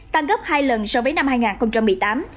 tăng gấp hai lần so với năm hai nghìn một mươi tám